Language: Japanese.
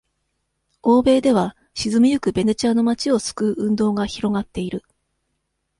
欧米では、沈みゆくベネチアの町を救う運動が広がっている。